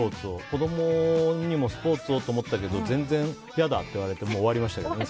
子供にもスポーツをと思ったけど全然、嫌だって言われて終わりましたけどね。